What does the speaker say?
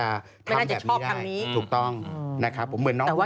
ไม่น่าจะชอบทางนี้ถูกต้องนะครับผมเหมือนน้องหัวผา